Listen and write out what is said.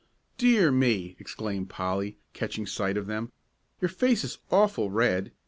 "Dear me!" exclaimed Polly, catching sight of them, "your face is awful red."